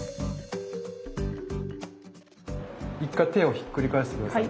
一回手をひっくり返して下さい。